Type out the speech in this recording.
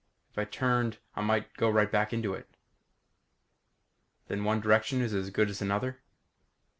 If I turned I might go right back into it." "Then one direction is as good as another?"